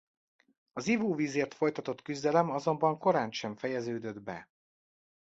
Az ivóvízért folytatott küzdelem azonban korántsem fejeződött be.